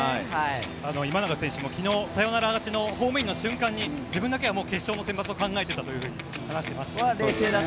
今永選手も昨日、サヨナラ勝ちのホームインの瞬間に自分だけは決勝のマウンドのことを考えてたと話していました。